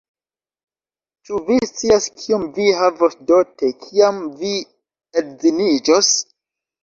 Ĉu vi scias kiom vi havos dote, kiam vi edziniĝos?